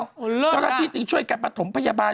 เจ้าหน้าที่จึงช่วยกันประถมพยาบาล